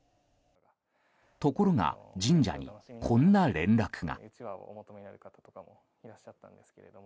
ところが、神社にこんな連絡が。